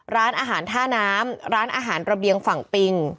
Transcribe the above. ร้านอาหารท่าน้ำร้านอาหารระเบียงฝั่งปิง